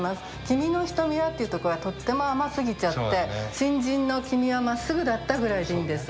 「君のひとみは」っていうところはとっても甘すぎちゃって「新人の君はまっすぐだった」ぐらいでいいです。